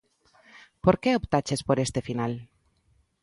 Por que optaches por este final?